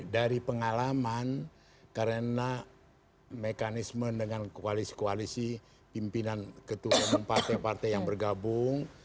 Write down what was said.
dari pengalaman karena mekanisme dengan koalisi koalisi pimpinan ketua partai partai yang bergabung